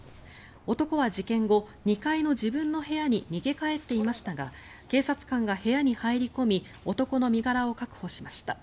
男は事件後２階の自分の部屋に逃げ帰っていましたが警察官が部屋に入り込み男の身柄を確保しました。